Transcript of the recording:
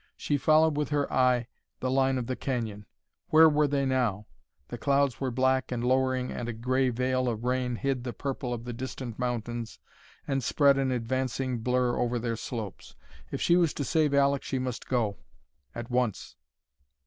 She followed with her eye the line of the canyon. Where were they now? The clouds were black and lowering and a gray veil of rain hid the purple of the distant mountains and spread an advancing blur over their slopes. If she was to save Aleck she must go at once.